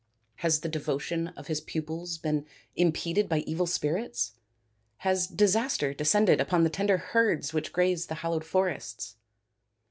" Has the devotion of his pupils been impeded by evil spirits ? Has disaster descended upon the tender herds which graze in the hallowed forests